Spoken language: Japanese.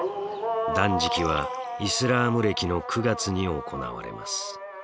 断食はイスラーム暦の９月に行われます。